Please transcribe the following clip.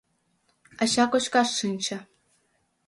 Ача кочкаш шинче.